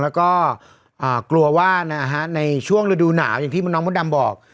แล้วก็กลัวว่าในช่วงฤดูหนาวอย่างที่น้องมดดำบอก